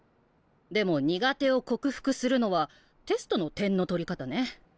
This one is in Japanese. でも苦手を克服するのはテストの点の取り方ね。